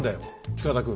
近田君。